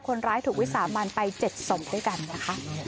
คนร้ายถูกวิสามันไป๗ศพด้วยกันนะคะ